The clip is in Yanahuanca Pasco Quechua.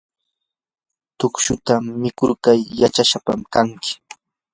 tukshuta mikurqa yachaysapam kanki.